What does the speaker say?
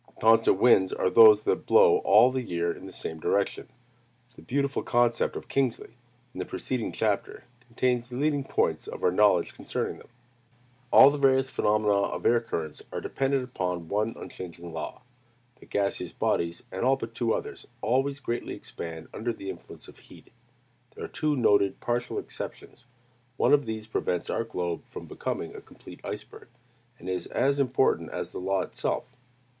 Constant winds are those that blow all the year in the same direction. The beautiful concept of Kingsley, in the preceding chapter, contains the leading points of our knowledge concerning them. All the various phenomena of air currents are dependent upon one unchanging law: that gaseous bodies and all but two others always greatly expand under the influence of heat. There are two noted partial exceptions: one of these prevents our globe from becoming a complete iceberg, and is as important as the law itself.